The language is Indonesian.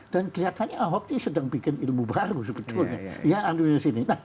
dan kelihatannya ahok sedang bikin ilmu baru sebetulnya